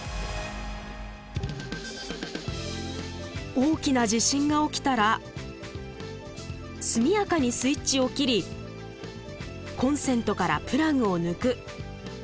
大きな地震が起きたら速やかにスイッチを切りコンセントからプラグを抜く。